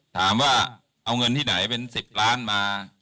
ถามว่าเอาเงินที่ไหนเป็น๑๐ล้านมา